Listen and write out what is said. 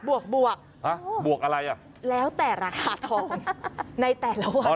บวกบวกอะไรอ่ะแล้วแต่ราคาทองในแต่ละวัน